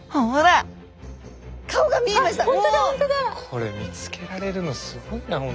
これ見つけられるのすごいな本当に。